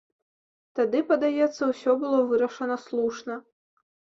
Тады, падаецца, усё было вырашана слушна.